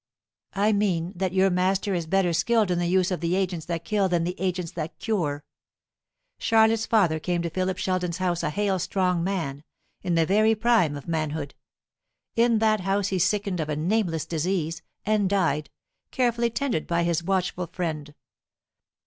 "I mean that your master is better skilled in the use of the agents that kill than the agents that cure. Charlotte's father came to Philip Sheldon's house a hale strong man, in the very prime of manhood. In that house he sickened of a nameless disease, and died, carefully tended by his watchful friend.